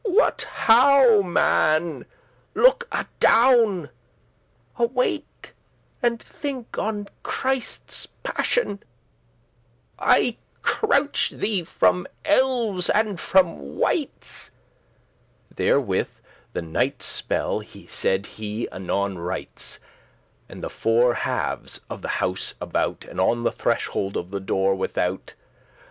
what how, man? look adown: Awake, and think on Christe's passioun. I crouche thee<27> from elves, and from wights*. *witches Therewith the night spell said he anon rights*, *properly On the four halves* of the house about, *corners And on the threshold of the door without.